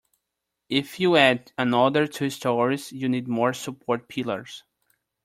If you add another two storeys, you'll need more support pillars.